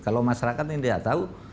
kalau masyarakat tidak tahu